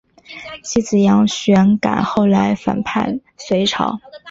其子杨玄感后来反叛隋朝。